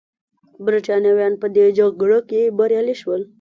برېټانویان په دې جګړه کې بریالي شول.